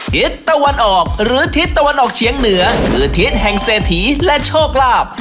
ทิศตะวันออกหรือทิศตะวันออกเฉียงเหนือคือทิศแห่งเศรษฐีและโชคลาภ